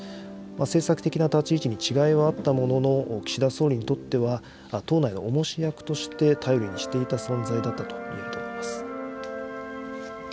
政策的な立ち位置に違いはあったものの、岸田総理にとっては、党内のおもし役として、頼りにしていた存在だったということです。